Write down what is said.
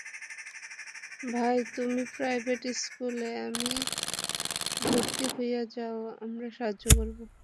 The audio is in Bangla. ভাই, তুমি প্রাইভেট স্কুলে, ভর্তি হইয়া যাও, আমরা সাহায্য করবো।